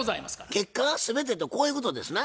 結果が全てとこういうことですな？